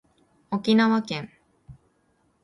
沖縄県